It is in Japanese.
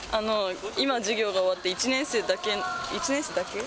今、授業が終わって、１年生だけ、１年生だけ？